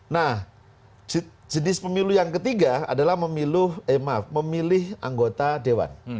nah jenis pemilu yang ketiga adalah memilih eh maaf memilih anggota dewan